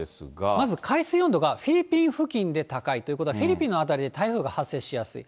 まず、海水温度がフィリピン付近で高い、ということは、フィリピンの辺りで台風が発生しやすい。